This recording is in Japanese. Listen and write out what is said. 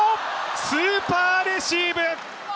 スーパーレシーブ！